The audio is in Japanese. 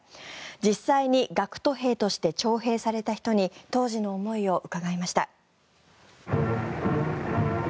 実際に学徒兵として徴兵された人に当時の思いを伺いました。